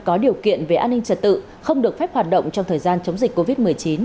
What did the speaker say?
có điều kiện về an ninh trật tự không được phép hoạt động trong thời gian chống dịch covid một mươi chín